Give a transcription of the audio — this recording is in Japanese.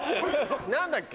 何だっけ？